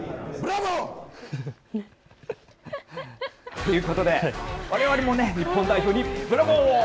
ということで、われわれも日本代表にブラボー！